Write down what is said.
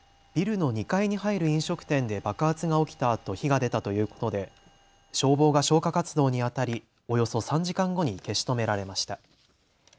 ビルの２階に入る飲食店で爆発が起きたあと火が出たということで消防が消火活動にあたりおよそ３時間後に消し止められました。